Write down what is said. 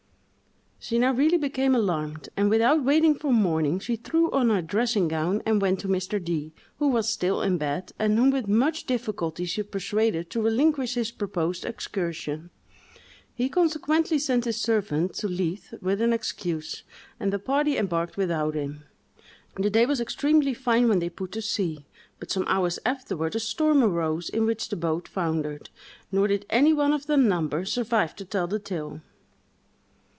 She now really became alarmed, and, without waiting for morning, she threw on her dressing gown, and went to Mr. D——, who was still in bed, and whom with much difficulty she persuaded to relinquish his proposed excursion. He consequently sent his servant to Leith with an excuse, and the party embarked without him. The day was extremely fine when they put to sea, but some hours afterward a storm arose, in which the boat foundered—nor did any one of the number survive to tell the tale!